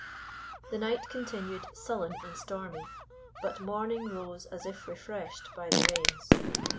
The night continued sullen and stormy; but morning rose as if refreshed by the rains.